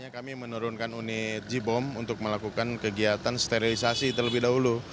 kami menurunkan unit j bom untuk melakukan kegiatan sterilisasi terlebih dahulu